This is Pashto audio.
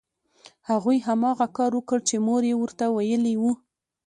هغوی هماغه کار وکړ چې مور یې ورته ویلي وو